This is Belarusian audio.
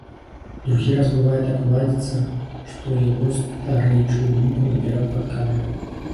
Другі раз бывае так уладзіцца, што й яго старэчую думку наперад падкажа.